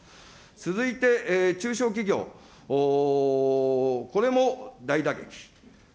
続いて中小企業、これも大打撃。